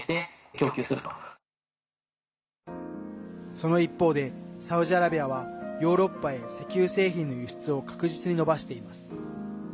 その一方でサウジアラビアはヨーロッパへ石油製品の輸出を確実に伸ばしています。